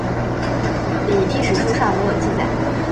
李历史书上没有记载。